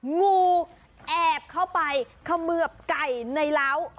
งูแอบเข้าไปเขมือบไก่ในเล้า